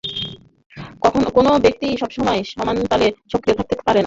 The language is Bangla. কোনও ব্যক্তিই সবসময় সমানতালে সক্রিয় থাকতে পারবে না।